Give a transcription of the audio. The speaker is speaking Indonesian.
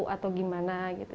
atau gimana gitu